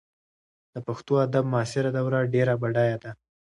د پښتو ادب معاصره دوره ډېره بډایه ده.